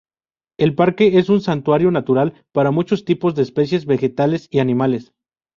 El parque es un santuario natural para muchos tipos de especies vegetales y animales.